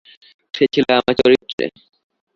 সে ছিল আমার চরিত্রে।